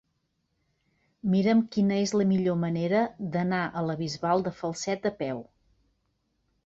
Mira'm quina és la millor manera d'anar a la Bisbal de Falset a peu.